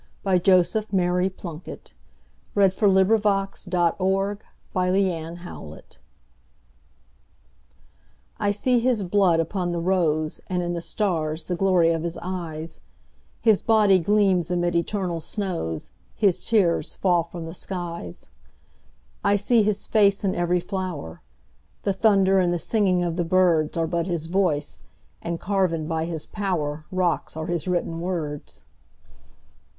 1917. Joseph Mary Plunkett (1887–1916) 342. I see His Blood upon the Rose I SEE his blood upon the roseAnd in the stars the glory of his eyes, His body gleams amid eternal snows, His tears fall from the skies.I see his face in every flower; The thunder and the singing of the birdsAre but his voice—and carven by his powerRocks are his written words.